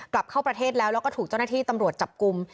กลับเข้าประเทศแล้วแล้วก็ถูกเจ้าหน้าที่ตำรวจจับกลุ่ม